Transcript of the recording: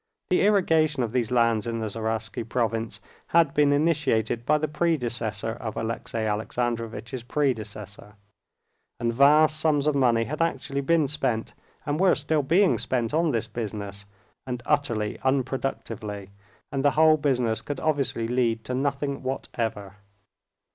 The irrigation of these lands in the Zaraisky province had been initiated by the predecessor of Alexey Alexandrovitch's predecessor. And vast sums of money had actually been spent and were still being spent on this business, and utterly unproductively, and the whole business could obviously lead to nothing whatever.